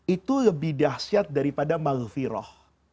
itu lebih dahsyat daripada malfirah